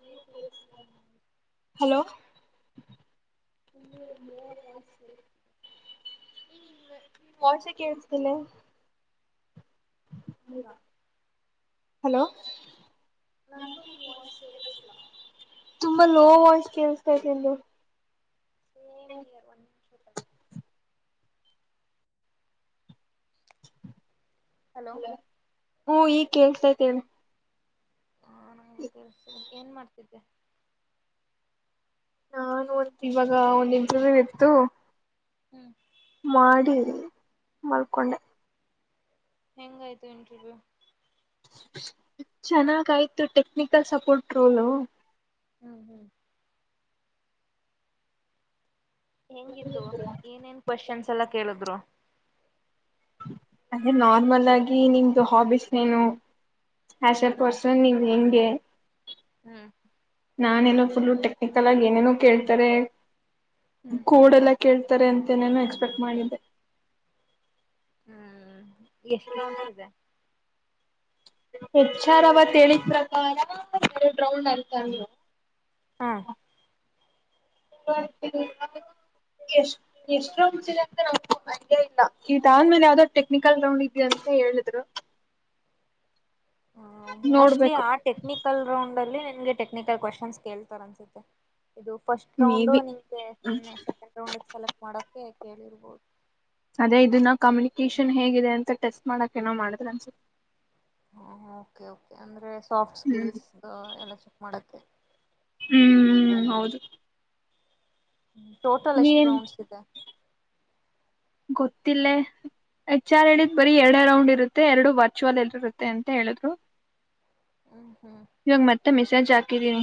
ಏನು ಕೇಳುಸ್ತಿಲ್ಲ ನಿನ್ voice hello [unintelligible] ಇವಾಗ್ ವಾಯ್ಸ್ ಕೇಳುಸ್ತಿದೆ. ನಿನ್ ವಾಯ್ಸೆ ಕೇಳಿಸ್ತಿಲ್ಲ. ಹಲೋ ತುಂಬಾ ಲೋ ವಾಯ್ಸ್ ಕೇಳಸ್ತೈತ್ ನಿಂದು [inaudible] ಹಲೋ ಹ್ಮ ಈಗ ಕೇಳ್ಸ್ತೈತೆ ಹೇಳು ಹಾ ನಂಗು ಕೆಳ್ಸ್ತದೆ ಏನ್ ಮಾಡ್ತಿದ್ದೆ. ನಾನು ಇವಾಗ ಒಂದ್ ಇಂಟರ್ವ್ಯೂ ಇತ್ತು. ಹ್ಮ್ ಮಾಡಿ ಮಲ್ಕೊಂಡೆ. ಹೆಂಗಾಯ್ತು ಇಂಟರ್ವ್ಯೂ? ಚೆನ್ನಾಗಾಯ್ತು ಟೆಕ್ನಿಕಲ್ ಸಪೋರ್ಟ್ ರೋಲು. ಹ್ಮ್ ಹ್ಮ್ ಹೆಂಗಿತ್ತು ಏನೇನ್ ಕ್ವಶನ್ಸ್ ಎಲ್ಲ ಕೇಳಿದ್ರು. ಅದೇ ನಾರ್ಮಲ್ ಆಗಿ ನಿಮ್ದು ಹಾಬೀಸ್ ಏನು ಹ್ಯಾಷರ್ ಕೊಡ್ಸ್ [unintelligible] ಹೆಂಗೆ ಹ್ಮ್ ನಾನೆಲ್ಲೋ ಫುಲ್ಲು ಟೆಕ್ನಿಕಲ್ ಆಗಿ ಏನೇನೋ ಕೇಳ್ತಾರೆ. ಕೋಡೆಲ್ಲ ಕೇಳ್ತಾರೆ ಅನ್ ಏನೇನೋ ಎಕ್ಸ್ಪೆಕ್ಟ್ ಮಾಡಿದ್ದೆ. ಹ್ಮ್ ಹ್ ಎಷ್ಟು ರೌಂಡ್ಸ್ ಇದೆ. ಎಚ್ ಆರ್ ಅವತ್ತೇಳಿದ್ ಪ್ರಕಾರ [unintelligible] ಎರಡ್ ರೌಂಡ್ ಅಂತಂದ್ರು. ಹ್ಮ್ [unintelligible] ಎಷ್ಟ ಎಷ್ಟ ರೌಂಡ್ಸ್ ಇದೆ ಅಂತ ನಮ ಐಡಿಯಾ ಇಲ್ಲ ಈದಾದ್ಮೇಲೆ ಯಾವ್ದೋ ಟೆಕ್ನಿಕಲ್ ರೌಂಡ್ ಇ ಅಂತ ಹೇಳಿದ್ರು. ಹ ಮೋಸ್ಟ್ಲಿ ನೋಡ್ಬೇಕು ಆ ಟೆಕ್ನಿಕಲ್ ರೌಂಡ್ ಅಲ್ಲೆ ನಿಮಗೆ ಟೆಕ್ನಿಕಲ್ ಕ್ವಶನ್ಸ್ ಕೇಳ್ತಾರ್ ಅನ್ಸುತ್ತೆ. ಇದು ಫಸ್ಟ್ ಮೇ ರೌಂಡ್ ಬಿ ನಿಮ್ಗೆ ಸುಮ್ಮನೆ ಸೆಕೆಂಡ್ ರೌಂಡ್ಗ್ ಸೆಲೆಕ್ಟ್ ಮಾಡಕ್ ಕ್ಕೆ ಕೇಳಿರ್ಬೋದ್ ಅದೇ ಇದನ್ನ ಕಮ್ಯುನಿಕೇಶನ್ ಹೇಗಿದೆ ಅಂತ ಟೆಸ್ಟ್ ಮಾಡಕೇನೋ ಮಾಡಿದ್ರ್ ಅನ್ಸುತ್ತೆ. ಹಾ ಓಕೆ ಓಕೆ ಅಂದ್ರೆ ಸ್ ಸಾಫ್ಟ್ ಹ್ಮ್ ಸ್ಕಿಲ್ಸ್ದು ಎಲ್ಲ ಚೆಕ್ ಮಾಡಕ್ಕೆ ಹ್ಮ್ ಹ್ಮ್ ಹೌದು ಹ್ಮ್ ಟೋಟಲ್ ಎಷ್ಟ್ ನೀನ್ ರೌಂಡ್ಸ್ ಇದೆ. ಗೊತ್ತಿಲ್ಲೇ ಎಚ್ ಆರ್ ಹೇಳಿದ್ ಬರೀ ಎರಡೇ ರೌಂಡ್ ಇರುತ್ತೆ ಎರಡು ವರ್ಚುವಲ್ ಎಲ್ರುಗು ಇರುತ್ತೆ ಅಂತ ಹೇಳಿದ್ರು. ಹ್ಮ್ ಹ್ಮ್ ಇವಾಗ ಮತ್ತೆ ಮೆಸೇಜ್ ಆ ಕಿದ್ದೀನಿ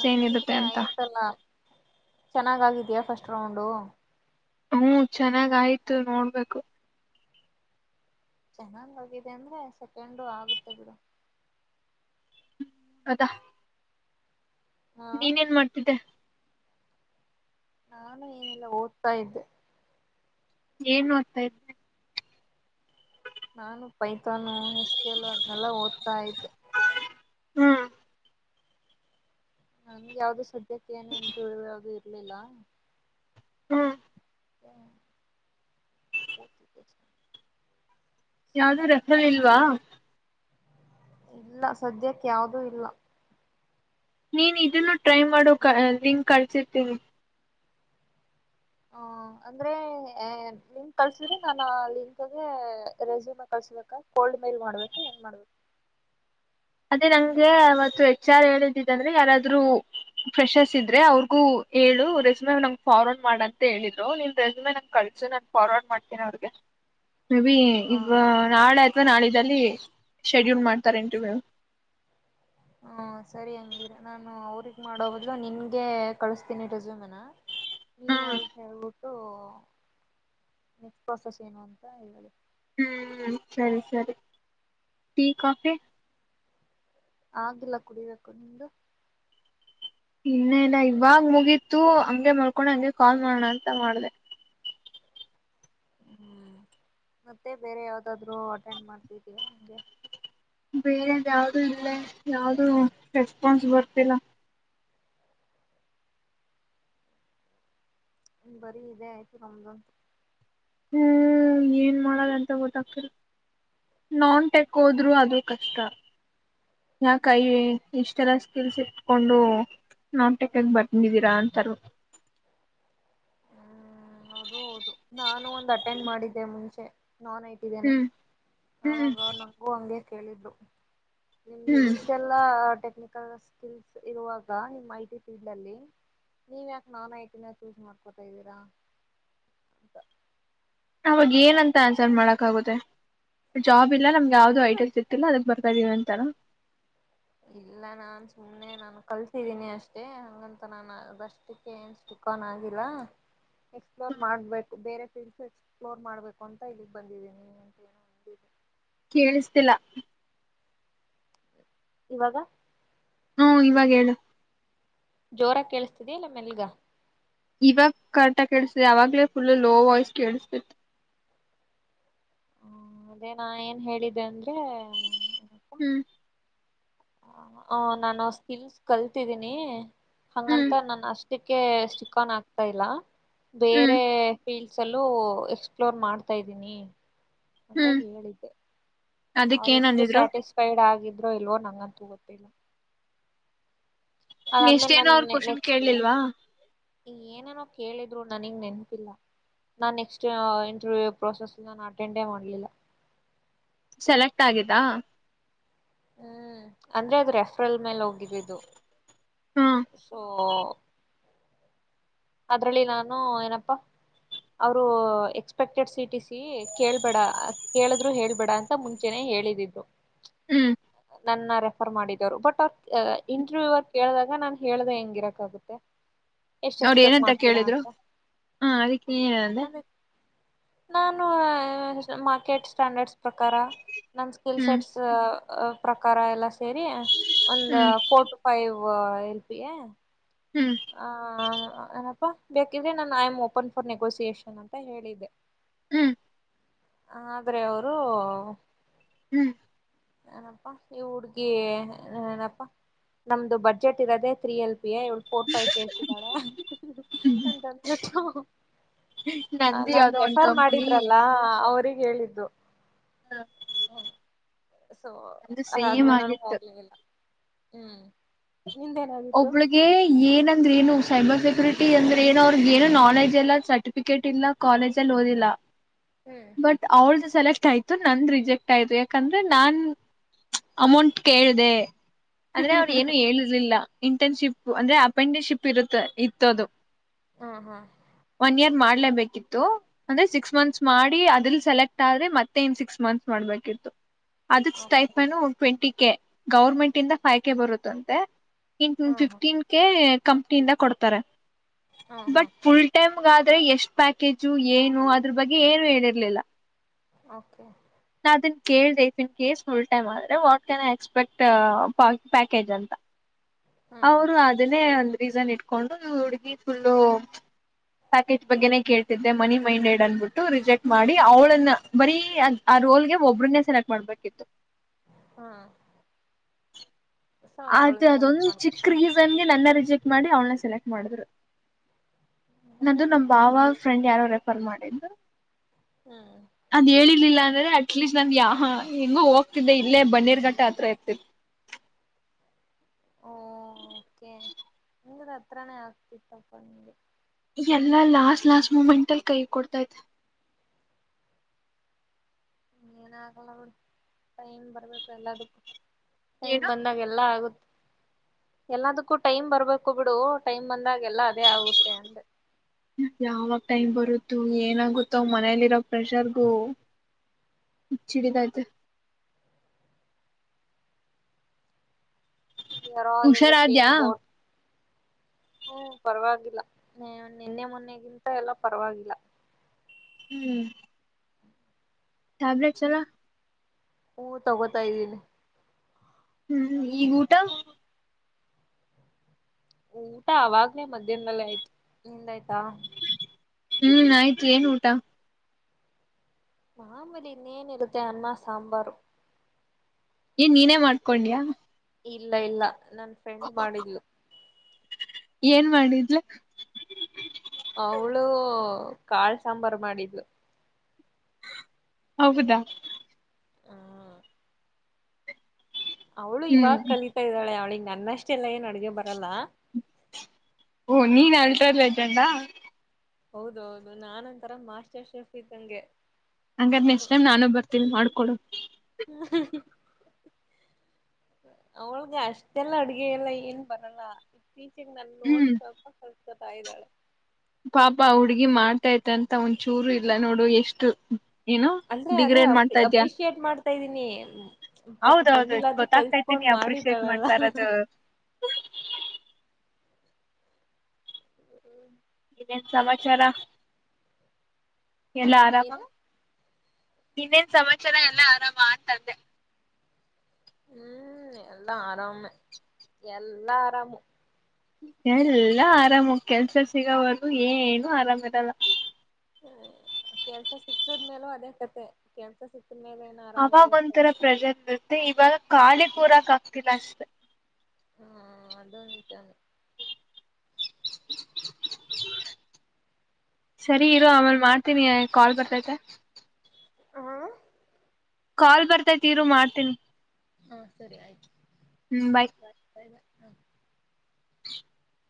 ಹಂಗಿದ್ರೆ ಆಯ್ತಲ್ಲ ಚೆನ್ನಾಗಾಗಿದೀಯ ಫಸ್ ಟ್ ರೌಂಡು ಹ್ಮ್ ಚೆನ್ನಾಗಾಯ್ತು ನೋಡ್ಬೇಕು. ಚೆನ್ನಾಗ್ ಆಗಿದೆ ಅಂದ್ರೆ ಸೆಕೆಂಡು ಆಗುತ್ತೆ ಬಿಡು. ಅದ ಹಾ ನೀನೇನ್ ಮಾಡ್ತಿದ್ದೆ. ನಾನು ಏನಿಲ್ಲ ಓದ್ತಾ ಇದ್ದೆ. ಏನ್ ಓದ್ತಾ ಇದ್ದೆ. ನಾನು ಪೈತಾನು ಎಸ್ ಕೆ ಎಲ್ಲೂ ಅದನೆಲ್ಲ ಓದ್ತಾ ಇದ್ದೆ. ಹ್ಮ್ ನಂಗ್ ಯಾವ್ದು ಸೆ ದ್ಯಕೇನು ಇಂಟರ್ವ್ಯೂ ಯಾವ್ದು ಇ ಇಲ್ಲಿಲ್ಲ ಹ್ಮ್ ಹ್ಮ್ [unintelligible] ಯಾವ್ದು ರೆಫರಿಲ್ವಾ? ಇಲ್ಲ ಸದ್ಯಕ್ ಯಾವ್ದೂ ಇಲ್ಲ. ನೀನ್ ಇದುನ್ನು ಟ್ರೈ ಮಾಡು ಕ ಲಿಂಕ್ ಕಳ್ಸಿರ್ರ್ತೀವಿ. ಹ ಅಂದ್ರೆ ಲಿಂಕ್ ಕಳ್ಸಿದ್ರೆ ನಾನು ಆ ಲಿಂಕ್ಗೆ ರೆಸ್ಯೂಮ್ ಕಳ್ಸ್ಬೇಕಾ ಕೋಲ್ಡ್ ಮೇಲ್ ಮಾಡ್ಬೇಕಾ ಏನ್ ಮಾಡ್ಬೇಕ್ ಅದೇ ನಂಗೆ ಅವತ್ತು ಎಚ್ ಆರ್ ಹೇಳಿದ್ದಿದ್ದಂದ್ರೆ ಯಾರಾದ್ರೂ ಫ್ರೆಷರ್ಸ್ ಇದ್ದರೆ ಅವ್ರಿಗೂ ಹೇಳು ರೆಸ್ಯೂಮೇ ನಂಗೆ ಫಾರ್ವರ್ಡ್ ಮಾಡಂತ ಹೇಳಿದರು ನಿಮ್ಮ ರೆಸ್ಯೂಮೇ ನಂಗೆ ಕಳಿಸು ನಾನು ಫಾರ್ವರ್ಡ್ ಮಾಡ್ತೀನಿ ಅವ್ರಿಗೆ. [unintelligible] ಹ ಈಗ ನಾಳೆ ನಾಡಿದ್ದಲ್ಲಿ ಶೆಡ್ಯೂಲ್ ಮಾಡ್ತಾರ್ ಇಂಟರ್ವ್ಯೂ. ಹ್ಮ್ ಸರಿ ಹಂಗಿದ್ರೆ ನಾನು ಅವ್ರಗ್ ಮಾಡೋ ಬದ್ಲು ನಿನ್ಗೆ ಕಳಸ್ತೀನಿ ರೆಸ್ಯುಮೆನ. ನೀನೆ ಹ್ಮ್ ಅವ್ರಿಗ್ ಹೇಳ್ಬುಡ್ ಟ್ಟು ನೆಕ್ಸ್ಟ್ ಪ್ರೊಸೆಸ್ ಏನು ಅಂತ ಹೇಳಿ. ಹ್ಮ್ ಸರಿ ಸರಿ ಟೀ ಕಾಫಿ ಆಗಿಲ್ಲ ಕುಡಿಬೇಕು ನಿಂದು ಇನ್ನೆ ಇಲ್ಲ ಇವಾಗ ಮುಗೀತ್ತು ಹಂಗೆ ಮಲ್ಕೊಂಡೇ ಹಂಗೆ ಕಾಲ್ ಮಾಡೋಣ ಅಂತ ಮಾಡ್ದೆ. ಹ್ಮ್ ಮತ್ತೆ ಬೇರೆ ಯಾವ್ದಾದ್ರು ಅಟೆಂಡ್ ಮಾಡ್ತಿದ್ದೀಯಾ ಹೆಂಗೆ ಬೇರೆದ್ ಯಾವ್ದು ಇಲ್ಲೇ ಯಾವ್ದೂ ರೆಸ್ಪಾನ್ಸ್ ಬರ್ತಿಲ್ಲ. ಹ್ಮ್ ಬರಿ ಇದೇ ಆಯ್ತು ನಮ್ದು. ಹ್ಮ್ ಏನ್ ಮಾಡದಂತ ಗೊತ್ತಾಗ್ತಿಲ್ಲ ನಾನ್ ಟೆಕ್ ಹೋದ್ರು ಅದೇ ಕಷ್ಟ. ನಾ ಹ್ಮ್ ಕೈಲಿ ಇಷ್ಟೆಲ್ಲ ಲ್ಸಿಟ್ಕೊಂಡು ನಮ್ ಟೆಕ್ಕಿಗ್ ಹ್ಮ್ ಬಂದಿದ್ದೀರಾ ತರು ಹ್ಮ್ ಅದು ಹೌದು ನಾನು ಒಂದು ಅಟೆಂಡ್ ಮಾಡಿದ್ದೆ ಮುಂಚೆ. ನಾನ್ ಐಟಿ ದ್ದೇನೆ ಹ್ಮ್ ಹ್ಮ್ ಅವಾಗ ಅವ್ರ್ ನಂಗೂ ಹಂಗೆ. ಕೇಳಿದ್ಲು ನಿಮ್ಗೆ ಹ್ಮ್ ಇಷ್ಟೆಲ್ಲಾ ಆಟೆ ಟೆಕ್ನಿಕಲ್ ಸ್ಕಿಲ್ಸ್ ಇರುವಾಗ ನಿಮ್ಮ್ ಐ ಟಿ ಫೀಲ್ಡ್ ಅಲ್ಲಿ ನೀವ್ ಯಾಕೆ ನಾನ್ ಐಟಿ ನ ಚೂಸ್ ಮಾಡ್ ಕೊತಾದ್ದೀರಾ ಅಂತ. ಅವಾಗ ಏನಂತ ಆನ್ಸರ್ ಮಾಡೋಕ್ಕಾಗುತ್ತೆ ಜಾಬ್ ಇಲ್ಲ ನಮ್ಗೆ ಯಾವುದೂ ಐ ಟಿಲ್ ಸಿಕ್ತಿಲ್ಲ ಅದಕ್ಕೆ ಬರ್ತಾ ಇದ್ದೀವಿ ಅಂತನ. ಇಲ್ಲ ನಾನ್ ಸುಮ್ನೆ ನಾನು ಕಲ್ತಿದ್ದೀನಿ ಅಷ್ಟೇ ಹಂಗಂತ ನಾನು ಅದಷ್ಟಕ್ಕೆ ಏನ್ ಸ್ಟಿಕಾನ್ ಆಗ್ತಿಲ್ಲ. ಎಕ್ಸ್ಫ್ಲೋರ್ ಮಾಡ್ಬೇ ಬೇರೆ ಫೀಲ್ಡ್ಸ್ ಎಕ್ಸ್ಪ್ಲೋರ್ ಮಾಡ್ಬೇಕು ಅಂತ ಇಲ್ಲಿಗ್ ಬಂದಿದ್ದೀನೀ ಅಂತ ಏನೋ ಹೇಳ [unintelligible] ಕೇಳಿಸ್ತಿಲ್ಲ ಇವಾಗ ಹ್ಮ ಇವಾಗ ಹೇಳು ಜೋರಾಗ್ ಕೇಳಿಸ್ತಿದಿಯಾ ಇಲ್ಲ ಮೆಲ್ಗ. ಇವಾಗ ಕರೆಕ್ಟ್ ಆಗ್ ಕೇಳಿಸ್ತಿದೆ ಆವಾಗಲೇ ಫುಲ್ಲು ಲೋ ವಾಯ್ಸ್ ಕೇಳಿಸ್ತಿತ್ತು. ಹಾ ಅದೇ ನಾ ಏನ್ ಹೇಳಿದ್ದೆ ಅಂದ್ರೆ ಹ್ಮ್ ಆ ನಾನು ಆ ಸ್ಕಿಲ್ಸ್ ಕಲ್ತಿದ್ದೀನಿ ಹ್ಮ್ ಹಂಗಂತ ನಾನಷ್ ಕ್ಕೆ ಸ್ಟಿಕ್ ಆನ್ ಆಗ್ತಾ ಇಲ್ಲ ಹ್ಮ್ ಬೇರೆ ಫೀಲ್ಸ್ ಅಲ್ಲೂ ಎಕ್ಸ್ಪ್ಲೋರ್ ಮಾಡ್ತಾ ಇದಿನಿ ಅಂತ ಹ್ಮ್ ಹೇಳಿದ್ದೆ ಅವ್ರ ಅದಕ್ಕ ಏನ್ ಎಷ್ಟು ಅಂದಿದ್ರು ಸ್ಯಾಟಿಸ್ಫೈಡ್ ಆಗಿದ್ ದ್ರೋ ಇಲ್ವೋ ನಂಗ್ ಅಂತು ಗೊತ್ತಿಲ್ಲ. ಅದಾದ್ಮೇಲೆ ನೆಕ್ಸ್ಟೆನೋ ಅವ್ರ ಕ್ವೆಶ್ಚನ್ ಕೇಳ್ಲಿಲ್ವ ಏನನೋ ಕೇಳಿದ್ರು ನನಿಗ್ ನೆನಪಿಲ್ಲ ನಾ ನೆಕ್ಸ್ಟ್ ಇಂಟರ್ವ್ಯೂ ಪ್ರೊಸೆಸ್ ಅಟೆಂಡೇ ಮಾಡ್ಲಿಲ್ಲ. ಸೆಲೆಕ್ಟ್ ಆಗಿದ ಹ್ಮ್ ಅಂದ್ರೆ ಅದು ರೆಫ್ರಲ್ ಮೇಲೆ ಹೋಗಿದ್ದಿದ್ದು. ಹ್ಮ್ ಸೊ [unintelligible] ಅದ್ರಲ್ಲಿ ನಾನು ಏನಪ್ಪಾ [unintelligible] ಅವ್ರು ಎಕ್ಸ್ಪೆಕ್ಟೆಡ್ ಸಿ ಟಿ ಸಿ ಕೇಳ್ಬೇಡ ಕೇಳಿದ್ರು ಹೇಳ್ಬೇಡ ಅಂತ ಮುಂಚೆನೆ ಹೇಳಿದಿದ್ದು ಹ್ಮ್ [unintelligible] ನನ್ನ ರೆಫರ್ ಮಾಡಿದೊರು ಬಟ್ ಅ ಅ ಇಂಟರ್ವ್ಯೂವಗ ಕೇಳ್ದಾಗ ನಾನ್ ಹೇಳ್ದೇ ಹೆಂಗಿರಕ್ ಆಗುತ್ತೆ. ಎಷ್ಟ್ ಅವ್ರ ಹಚ್ ಏನಂತ ಕೇಳಿದ್ರು ಹಾ ಅದಕ್ಕೆ ನೀ ಏನ್ ಅಂದೆ. ಅದೇ ನಾನು ಅ ಆ ಮಾರ್ಕೆಟ್ ಸ್ಟ್ಯಾಂಡರ್ಡ್ಸ್ ಪ್ರಕಾರ ನನ್ನ ಸ್ಕಿಲ್ ಹ್ಮ್ ಸೆಟ್ಸ್ ಅ ಪ್ರಕಾರ ಎಲ್ಲಾಸ್ ಸೆರಿ ಒಂದ್ ಹ್ಮ್ ಫೋರ್ ಟು ಫೈವ್ ವಾ ಹೆಲ್ಪಿಗೆ ಹ್ಮ್ ಹ ಹಾ ಏನಪ್ಪ ಬೇಕಿದ್ರೆ ನಾನು I um open for negotiation ಅಂತ ಹೇಳಿದ್ದೆ. ಹ್ಮ್ ಆದ್ರೆ ಅವ್ರು ಹ್ಮ್ ಏನಪ್ಪಾ ಈ ಹುಡ್ಗಿ ಏನಪ್ಪಾ ನಮ್ದು ಬಡ್ಜೆಟ್ ಇರದೆ ತ್ರೀ ಎಲ್ ಪ್ ಗೆ ಫೋರ್ ಫೈ ಕೇಳ್ತಿದಾಳೆ ಅಂತಂದಬಿಟ್ಟು ನಂದು ನನ್ ಯಾವ್ದೋ ಒಂದ್ ರೆಫರ್ ಕಂಪ್ನಿ ಮಾಡಿದ್ರಲ್ಲ ಅವ್ರಗ್ ಹೇಳಿದ್ದು ಹ್ಮ ಸೊ ನಂದು ಸೇಮ್ ಅದಾದ್ಮೇಲೆ ನಾನು ಆಗಿತ್ತು ಹೋಗಿರ್ಲಿಲ. ಹ್ಮ್. ನಿಂದೇನಾಗಿತ್ತು ಒಬ್ಳಿಗೆ ಏನ ಅಂದ್ರೆ ಏನು ಸೈಬರ್ ಸೆಕ್ಯೂರಿಟಿ ಅಂದ್ರೆ ಏನೂ ಅವ್ರಿಗ್ ಏನು ನಾಲೆಜ್ ಇಲ್ಲ ಸರ್ಟಿಫಿಕೇಟ್ ಇಲ್ಲ ಕಾಲೇಜ ಅಲ್ಲಿ ಓದಿಲ್ಲ ಹ್ಮ್ ಬಟ್ ಆವ್ಳ್ದ್ ಸೆಲೆಕ್ಟ್ ಆಯ್ತು ನಂದ ರಿಜೆಕ್ಟ್ ಆಯ್ತು ಯಾಕಂದ್ರೆ ನಾನ್ ಅಮೌಂಟ್ ಕೇಳ್ದೆ ಆದ್ರೆ ಅವ್ರ ಏನು ಹೇಳಿರಲಿಲ್ಲಾ ಇಂಟರ್ನ್ಶಿಪ್ ಅಂದ್ರೆ ಅಪ್ರೆಂಟಿಸ್ಶಿಪ್ ಇರುತ್ ಇತ್ತದು. ಹ್ಮ್ ಹ್ಮ್ ಒನ್ ಇಯರ್ ಮಾಡ ಲೇಬೇಕಿತ್ತು ಅಂದ್ರೆ ಸಿಕ್ಸ್ ಮಂತ್ಸ್ ಮಾಡಿ ಅದಲ್ ಸೆಲೆಕ್ಟ್ ಆದ್ರೆ ಮತ್ತೆ ನ್ ಸಿಕ್ಸ್ ಮಂತ್ಸ್ ಮಾಡ್ಬೇಕಿತ್ತು. ಅದಕ್ okay stipend twenty K government ಇಂದ ಫೈವ್ಕೆ ಬರುತ್ತಂತೆ ಇನ್ನ್ ಹ್ಮ್ ಹ್ಮ್ ಫಿಫ್ಟೀನ್ ಕೆ ಕಂಪ್ನಿಯಿಂದ ಕೊಡ್ತಾರೆ ಹ್ಮ್ ಹ್ಮ್ ಬಟ್ ಫುಲ್ ಟೈಮ್ಗ ಆದ್ ಆದ್ರೆ ಎಷ್ಟ್ ಪ್ಯಾಕೇಜು ಏನು ಅದ್ರ ಬಗ್ಗೆ ಏನು ಹೇಳಿರ್ಲಿಲ್ಲ. ಓಕೆ ನಾ ಅದನ್ ಕೇಳಿದೆ if in case full time ಆದರೆ ವಾಟ್ ಕ್ಯಾನ್ ಐ ಎಕ್ಸ್ಪೆಕ್ಟ್ ಪ ಪ್ಯಾಕೇಜ್ ಅಂತ. ಹ್ಮ್ ಅವರು ಅದನ್ನೇ ಒಂದ್ ರಿಸನ್ ಇಟ್ಕೊಂಡು ಹುಡುಗಿ ಫುಲ್ಲು [unintelligible] ಪ್ಯ ಜ್ ಬಗ್ಗೆೇನೇ ಕೇಳಿದ್ದೆ ಮನಿ ಮೈಂಡೆಡ್ ನೆನ್ಬು ಟು ರಿಜೆಕ್ಟ್ ಹ್ಮ್ ಮಾಡಿ ಅವಳನ್ನ ಬರೀ ಕಿಯನ್ ಆ ರೋಲ್ ಗೆ ಒಬ್ಬ್ರನ್ನೇ ಸೆನಕ್ಟ್ ಮಾಡ್ಬೇಕಿತ್ತು ಹ [unintelligible] ಆದ್ರೆ ಅದೊಂದ್ ಚಿಕ್ಕ ರೀಸನ್ಗೆ ನನ್ನ ರಿಜೆಕ್ಟ್ ಮಾಡಿ ಅವಳ್ನ ಸೆಲೆಕ್ಟ್ ಮಾಡಿದ್ರು. [unintelligible] ನಂದು ನಮ್ ಬಾವ ಫ್ರೆಂಡ್ ಯಾರೋ ರೆಫರ್ ಮಾಡಿದ್ರು [unintelligible] ಹ್ಮ್ ಅದ್ ಹೇಳಿರ್ಲಿಲ್ಲ ರೆ ಅಟ್ಲೀಸ್ಟ್ ನಾನ್ ಯಾವ್ ಹೆಂಗು ಹೋಗ್ತಿದ್ದೆ ಇಲ್ಲೇ ಬನ್ನೇರ್ ಘಟ್ಟ ಹತ್ರ ಇರ್ತಿತಿ ಓ ಕೆ ಅಂದ್ರೆ ಹತ್ರಾನೇ ಆಗ್ತಿತ್ತಪ್ಪ ನಿಮ್ಗೆ. ಎಲ್ಲಾ ಲಾಸ್ಟ್ ಲಾಸ್ಟ್ ಮೂಮೆಂಟ್ ಅಲ್ಲಿ ಕೈ ಕೊಡ್ತೈತೆ. ಹ್ಮ ಏನ ಆಗಲ್ಲ ಬಿಡು ಟೈಮ್ ಬರ್ಬೇಕು ಎಲ್ಲದಕ್ಕೂ. ಟೈಮ್ ಏನೋ ಬಂದಾಗ ಎಲ್ಲ ಆಗುತ್ ಎಲ್ಲದಕ್ಕೂ ಟೈಮ್ ಬರ್ಬೇಕು ಬಿಡು ಟೈಮ್ ಬಂದಾಗ್ ಎಲ್ಲ ಅದೇ ಆಗುತ್ತೆ ಅಂದೆ. ಇದು ಏನಾಗುತ್ತೊ ಮನೇಲಿರೋ ಪ್ರೆಷರ್ಗೂ ಹುಚ್ಚಿಡಿತಾಯ್ತೆ. We are all in the ಹುಷಾರಾದ್ಯಾ ಸೇಮ್ ಬೋಟ್. ಹ್ಮ್ ಪರವಾಗಿಲ್ಲ ನಿನ್ನೆ ಮೊನ್ನೆಗಿಂತ ಎಲ್ಲ ಪರವಾಗಿಲ್ಲ. ಹ್ಮ್ ಟ್ಯಾಬ್ಲೆಟ್ಸ್ ಎಲ್ಲ ಹ್ಮ ತಗೋತಾ ಇದ್ದೀನಿ. ಹ್ಮ್ ಈಗ ಊಟ? ಊಟ ಅವಾಗ್ನೇ ಮಧ್ಯಾಹ್ದಲ್ಲೇ ಆಯ್ತು, ನಿಂದು ಆಯ್ತಾ? ಹ್ಮ್ ಆಯ್ತು ಏನ್ ಊಟ? ಮಾಮುಲಿ ಇನ್ನೇನು ಇರುತ್ತೆ, ಅನ್ನ ಸಾಂಬಾರು. ಏನ್ ನೀನೇ ಮಾಡ್ಕೊಂಡಿಯ. ಇಲ್ಲ ಇಲ್ಲ ನನ್ ಫ್ರೆಂಡ್ ಮಾಡಿದ್ಲು ಏನ್ ಮಾಡಿದ್ಲು ಅವಳು ಕಾಳ್ ಸಾಂಬಾರು ಮಾಡಿದ್ಲು ಹೌದಾ ಹ ಅವಳು ಹ್ಮ್ ಇವಾಗ ಕಲಿತಾ ಇದ್ದಾಳೆ ಅವಳಿಂಗ ನನ್ನಷ್ಟೆಲ್ಲ ಏನು ಅಡಗೆ ಬರಲ್ಲ ಓ ನೀನ್ ಅಲ್ಟ್ರಾ ಲೆಜೆಂಡಾ ಹೌದೌದು ನಾನ ಒಂತರ ಮಾಸ್ಟರ್ ಶೆಫ್ ಇದ್ದಂಗೆ ಹಂಗಾರ ನೆಕ್ಸ್ಟ್ ಟೈಮ್ ನಾನು ಬರ್ತೀನಿ ಮಾಡ್ಕೊಡು ಅವಳಗ ಅಷ್ಟೆಲ್ಲ ಅಡುಗೆಯಲ್ಲ ಏನ್ ಬರಲ್ಲ. ಪಿಜಿಗ ನಲ್ಲಿ ಹ್ಮ್ ನೋಡಿ ಸ್ವಲ್ಪ ಸ್ವಲ್ಪ ಕಲ್ಕೋತಾ ಇದಾಳೆ. ಪಾಪ ಹುಡ್ಗಿ ಮಾಡ್ತೈತೇ ಅಂತ ಒಂದಚೂರು ಇಲ್ಲ ನೋಡು ಎಷ್ಟು. ಏನು ಅಂದ್ರೆ ಅದೇ ಡಿಗ್ರೇಡ್ ಅ್ರ ಮಾಡ್ತಾ ಇದ್ಯಾ ಅಪ್ರಿಶಿಯೇಟ್ ಮಾಡ್ತಾ ಇದ್ದೀನಿ ಪಾಪ ಹೌದೌದು ಬಂದಿಲ್ಲಾದ್ರೂ ಗೊತ್ತಾಗ್ತೈತೆ ಕಲ್ತ್ಕೊಂಡ್ ನೀ ಅಪ್ರಿಶಿಯೇಟ್ ಮಾಡಿದಾಳಲ್ಲ. ಮಾಡ್ತಾ ಇರೋದು ಏನ್ ಸಮಾಚಾರ ಎಲ್ಲ ಆರಾಮ? ಏನ ಇನ್ನೇನ್ ಸಮಾಚಾರ ಎಲ್ಲ ಆರಾಮಾ ಅಂತಂದೆ. ಹ್ಮ್ ಎಲ್ಲಾ ಆರಾಮೆ, ಎಲ್ಲಾ ಆರಾಮು ಎಲ್ಲ ಆರಾಮ ಕೆಲ್ಸ ಸಿಗವರೆಗು ಏನು ಆರಾಮು ಇರಲ್ಲ. ಹ ಕೆಲ್ಸ ಸಿಕ್ಕದ್ಮೇಲೂ ಅದೇ ಕತೆ, ಕೆಲ್ಸ ಸಿಕ್ತ ಅವಾಗ ಒಂಥರ ಪ್ರೆಶರ್ ಇರುತ್ತೆ, ಇವಾಗ ಕಾಲಿ ಕೂರಾಕ ಆಗ್ತಿಲ್ಲ ಅಷ್ಟೆ. ಹಾ ಅದೊಂದ ಸರಿ ಇರೋ ಆಮೇಲೆ ಮಾಡ್ತೀನಿ, ಕಾಲ್ ಬರ್ತೈತೆ. ಹಾ ಕಾಲ್ ಬರ್ತಾತೆ ಇರು ಮಾಡ್ತೀನಿ. ಹಾ ಸರಿ ಆಯ್ತು. ಹ್ಮ್ ಬಾಯ್. [inaudible]